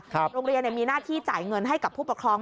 โรงเรียนมีหน้าที่จ่ายเงินให้กับผู้ปกครอง